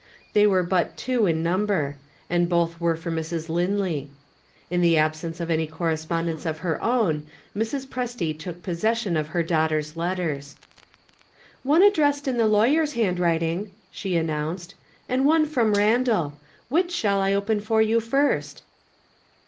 They were but two in number and both were for Mrs. Linley. In the absence of any correspondence of her own, Mrs. Presty took possession of her daughter's letters. "One addressed in the lawyer's handwriting," she announced; "and one from Randal. Which shall I open for you first?"